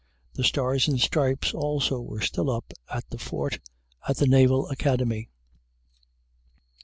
The stars and stripes also were still up at the fort at the Naval Academy.